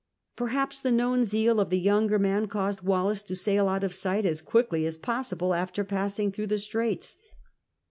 Perhaps the known zeal of the younger man caused Wallis to sail out of sight as quickly as possible after {lassing through the Straits.